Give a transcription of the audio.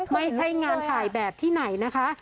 ไม่ใช่งานถ่ายแบบที่ไหนนะคะ